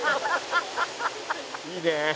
「いいね」